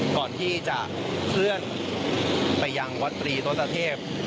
ก่อนที่จะเคลื่อนไปยังวัดตรีโตตเทพ